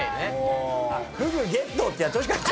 「フグゲット！」ってやってほしかった。